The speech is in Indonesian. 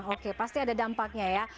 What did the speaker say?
oke pasti ada dampaknya ya